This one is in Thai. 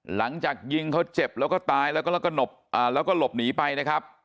หลังจากยิงเขาเจ็บแล้วก็ตายแล้วก็หลบหนีไปนะครับ